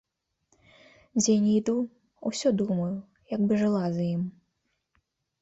Дзе ні іду, усё думаю, як бы жыла з ім.